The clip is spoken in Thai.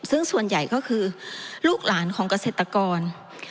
ซึ่งส่วนใหญ่ก็คือลูกหลานของเกษตรกร